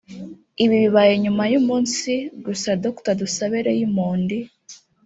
Ibi bibaye nyuma y’umunsi gusa Dr Dusabe Reyomond